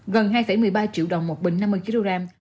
gần hai một mươi ba triệu đồng một bình năm mươi kg